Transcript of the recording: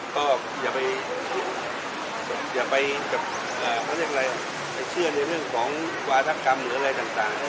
ก็อย่าไปเชื่อในเรื่องของกวาทักรรมหรืออะไรต่าง